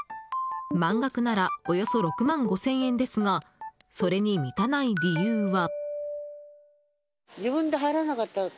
満額ならおよそ６万５０００円ですがそれに満たない理由は。